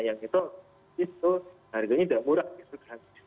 yang itu harganya tidak murah gitu kan